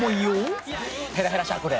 ヘラヘラしゃくれ。